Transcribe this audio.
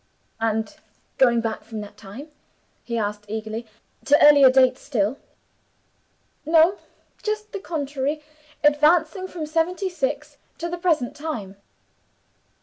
"And going back from that time," he asked eagerly; "to earlier dates still?" "No just the contrary advancing from 'seventy six' to the present time."